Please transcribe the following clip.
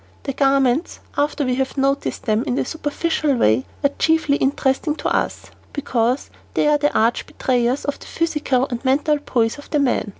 The garments, after we have noticed them in a superficial way, are chiefly interesting to us, because they are arch betrayers of the physical and mental poise of the man.